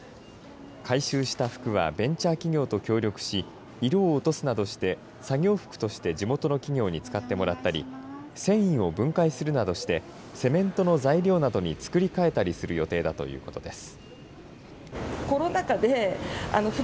回収した服はベンチャー企業と協力し色を落とすなどして作業服として地元の企業に使ってもらったり繊維を分解するなどしてセメントの材料などに作り替えたりする予定だということです。